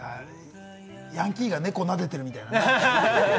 ヤンキーが猫なでてるみたいなね。